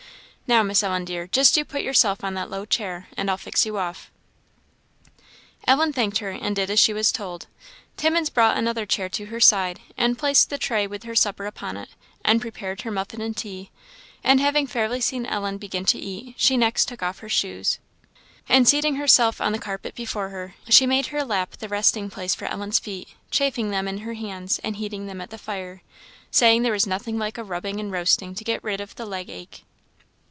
Now, Miss Ellen, dear, just you put yourself on that low chair, and I'll fix you off." Ellen thanked her, and did as she was told. Timmins brought another chair to her side, and placed the tray with her supper upon it, and prepared her muffin and tea; and having fairly seen Ellen begin to eat, she next took off her shoes, and seating herself on the carpet before her, she made her lap the resting place for Ellen's feet, chafing them in her hands, and heating them at the fire; saying there was nothing like rubbing and roasting to get rid of the leg ache.